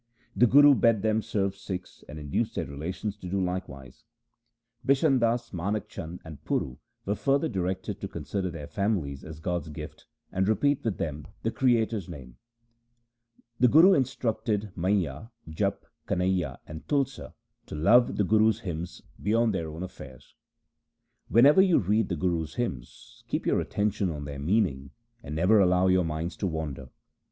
The Guru bade them serve Sikhs and induce their relations to do likewise. Bishan 1 Asa. 2 Sri Rag ki War. 3 Majh ki War. LIFE OF GURU RAM DAS 275 Das, Manak Chand, and Puru were further directed to consider their families as God's gift, and repeat with them the Creator's name. The Guru instructed Maiya, Japa, Kanaiya, and Tulsa to love the Guru's hymns beyond their own affairs. ' Whenever you read the Guru's hymns, keep your attention on their meaning, and never allow your minds to wander.